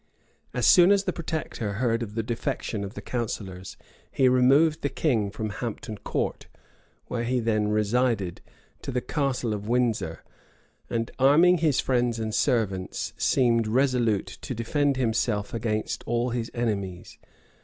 As soon as the protector heard of the defection of the counsellors, he removed the king from Hampton Court, where he then resided, to the Castle of Windsor; and arming his friends and servants, seemed resolute to defend himself against all his enemies.